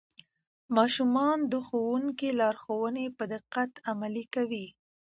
ماشومان د ښوونکي لارښوونې په دقت عملي کوي